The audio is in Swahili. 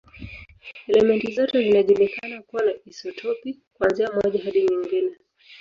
Elementi zote zinajulikana kuwa na isotopi, kuanzia moja hadi nyingi.